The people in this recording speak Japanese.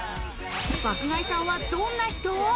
爆買いさんはどんな人？